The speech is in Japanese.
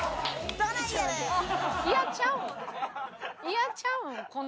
嫌ちゃうん？